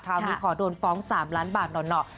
คราวนี้ขอโดนฟ้อง๓ล้านบาทหน่อยหน่อย